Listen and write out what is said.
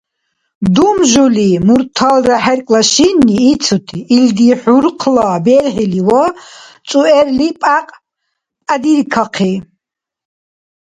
Думжули, мурталра хӀеркӀла шинни ицути илди хӀурхъла берхӀили ва цӀуэрли пӀякь-пӀядиркахъи.